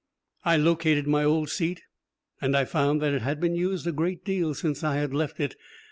I located my old seat, and I found that it had been used a great deal since I had left it.